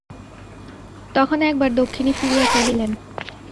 তখন একবার দক্ষিণে ফিরিয়া চাহিলেন।